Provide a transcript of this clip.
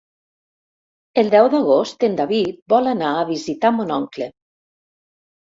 El deu d'agost en David vol anar a visitar mon oncle.